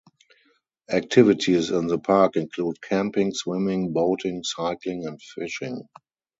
Activities in the park include camping, swimming, boating, cycling and fishing.